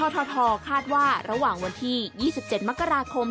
ทคาดว่าระหว่างวันที่๒๗มกราคม